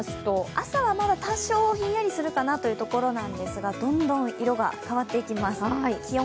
朝はまだ多少変化するかなというところなんですが、どんどん色が変わっていきます。